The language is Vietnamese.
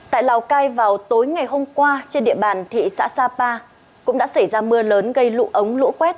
tại lào cai vào tối ngày hôm qua trên địa bàn thị xã sapa cũng đã xảy ra mưa lớn gây lũ ống lũ quét